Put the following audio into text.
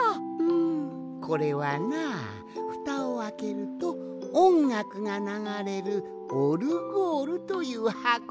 んこれはなふたをあけるとおんがくがながれるオルゴールというはこなんじゃ。